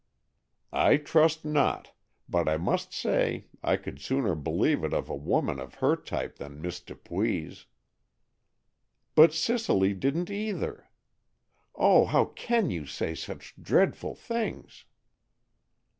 "I trust not. But I must say I could sooner believe it of a woman of her type than Miss Dupuy's." "But Cicely didn't either! Oh, how can you say such dreadful things!"